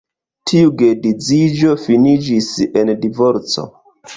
Tiu geedziĝo finiĝis en divorco.